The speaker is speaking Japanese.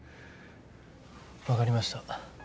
分かりました